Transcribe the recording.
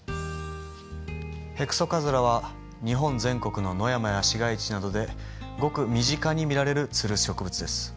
ヘクソカズラは日本全国の野山や市街地などでごく身近に見られるツル植物です。